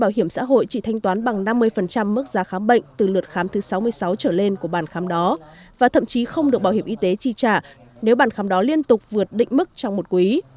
bảo hiểm xã hội chỉ thanh toán bằng năm mươi mức giá khám bệnh từ lượt khám thứ sáu mươi sáu trở lên của bàn khám đó và thậm chí không được bảo hiểm y tế chi trả nếu bàn khám đó liên tục vượt định mức trong một quý